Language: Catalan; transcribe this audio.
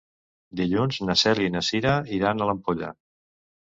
Dilluns na Cèlia i na Cira iran a l'Ampolla.